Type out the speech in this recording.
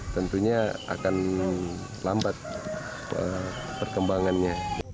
tentunya akan lambat perkembangannya